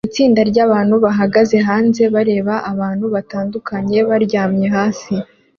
Itsinda ryabantu bahagaze hanze bareba abantu batandukanye baryamye hasi